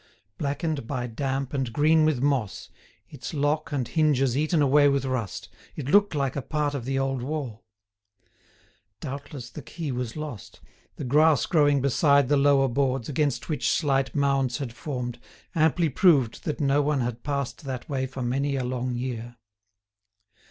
Blackened by damp and green with moss, its lock and hinges eaten away with rust, it looked like a part of the old wall. Doubtless the key was lost; the grass growing beside the lower boards, against which slight mounds had formed, amply proved that no one had passed that way for many a long year.